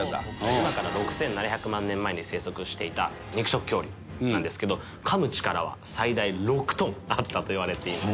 今から６７００万年前に生息していた肉食恐竜なんですけど噛む力は最大６トンあったといわれています。